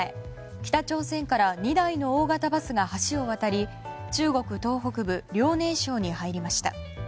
北朝鮮から２台の大型バスが橋を渡り中国東北部遼寧省に入りました。